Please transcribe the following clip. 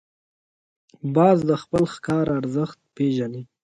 باز د خپل ښکار ارزښت پېژني